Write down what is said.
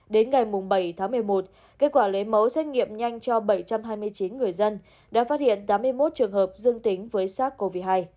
đến ngày bảy tháng một mươi một kết quả lấy mẫu xét nghiệm nhanh cho bảy trăm hai mươi chín người dân đã phát hiện tám mươi một trường hợp dương tính với sars cov hai